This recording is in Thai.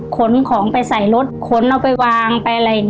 ขนของไปใส่รถขนเอาไปวางไปอะไร